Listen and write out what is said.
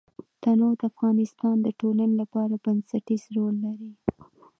تنوع د افغانستان د ټولنې لپاره بنسټيز رول لري.